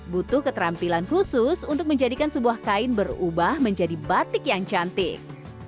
butuh keterampilan khusus untuk menjadikan sebuah kain berubah menjadi batik yang cantik